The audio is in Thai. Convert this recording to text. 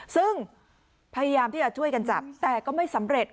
ซึ่งพยายามที่จะช่วยกันจับแต่ก็ไม่สำเร็จ